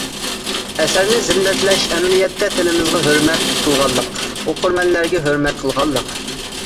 ئەسەرنى زىننەتلەش ئەمەلىيەتتە تىلىمىزغا ھۆرمەت قىلغانلىق، ئوقۇرمەنلەرگە ھۆرمەت قىلغانلىق.